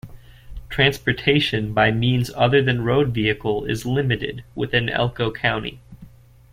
Transportation by means other than road vehicle is limited within Elko County.